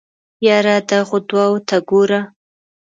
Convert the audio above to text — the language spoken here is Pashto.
يره دغو دوو ته ګوره.